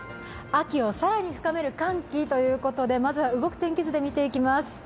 秋を更に深める寒気ということでまずは動く天気図で見ていきます。